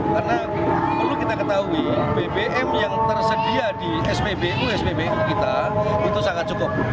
karena perlu kita ketahui bbm yang tersedia di spbu spbu kita itu sangat cukup